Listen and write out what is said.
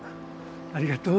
ありがとう。